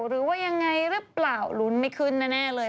หรือว่ายังไงหรือเปล่าลุ้นไม่ขึ้นแน่เลย